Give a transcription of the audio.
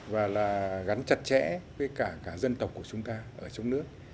và là gắn chặt chẽ với cả dân tộc của chúng ta ở trong nước